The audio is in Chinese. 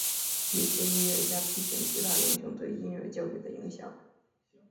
一些音乐家批评吉他英雄对音乐教育的影响。